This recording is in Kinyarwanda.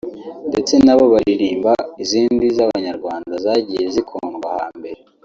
ndetse nabo baririmba izindi z’abanyarwanda zagiye zikundwa hambere